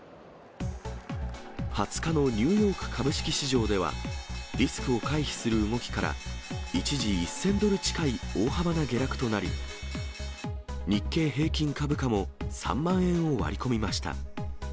２０日のニューヨーク株式市場では、リスクを回避する動きから、一時１０００ドル近い大幅な下落となり、日経平均株価も３万円を割り込みました。